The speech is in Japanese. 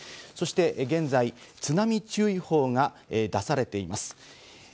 そして現在、津波注意報が出されています。